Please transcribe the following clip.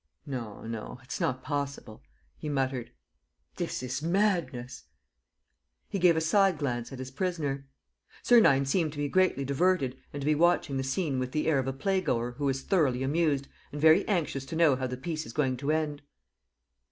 "No, no, it's not possible," he muttered. "This is madness." He gave a side glance at his prisoner. Sernine seemed to be greatly diverted and to be watching the scene with the air of a playgoer who is thoroughly amused and very anxious to know how the piece is going to end.